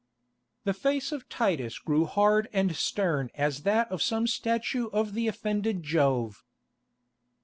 The face of Titus grew hard and stern as that of some statue of the offended Jove.